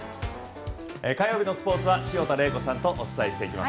火曜日のスポーツは潮田玲子さんとお伝えしていきます。